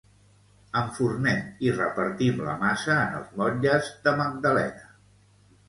Enfornem i repartim la massa en els motlles de magdalena.